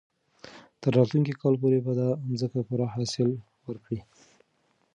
تر راتلونکي کال پورې به دا مځکه پوره حاصل ورکړي.